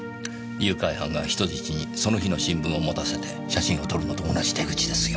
誘拐犯が人質にその日の新聞を持たせて写真を撮るのと同じ手口ですよ。